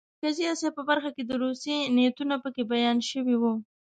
د مرکزي اسیا په برخه کې د روسیې نیتونه پکې بیان شوي وو.